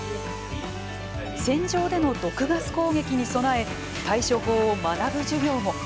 戦場での毒ガス攻撃に備え対処法を学ぶ授業も。